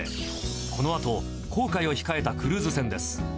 このあと、航海を控えたクルーズ船です。